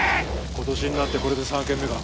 今年になってこれで３軒目か。